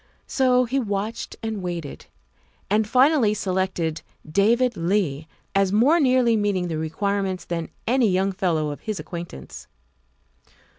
So he watched and waited, and finally selected David Leigh as more nearly meeting the requirements than any young fellow of his acquaintance.